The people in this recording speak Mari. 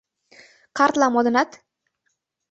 — Картла модынат?